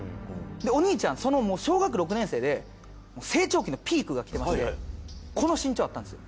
お兄ちゃんは小学６年生で成長期のピークが来てましてこの身長あったんですよ。